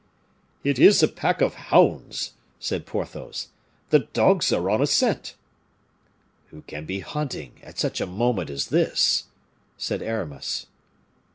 "It is a pack of hounds," said Porthos; "the dogs are on a scent." "Who can be hunting at such a moment as this?" said Aramis.